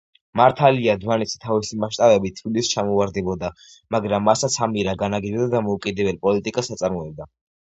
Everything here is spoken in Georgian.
მართალია, დმანისი თავისი მასშტაბებით თბილისს ჩამოუვარდებოდა, მაგრამ მასაც ამირა განაგებდა და დამოუკიდებელ პოლიტიკას აწარმოებდა.